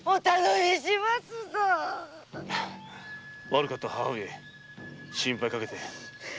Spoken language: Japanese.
悪かった母上心配かけて。